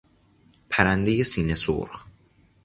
پرندهی سینه سرخ